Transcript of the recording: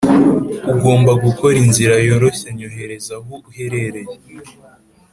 ugomba gukora inzira yoroshyenyoherereza aho uherereye